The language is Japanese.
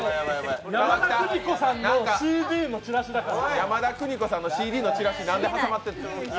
山田邦子さんのＣＤのチラシだから。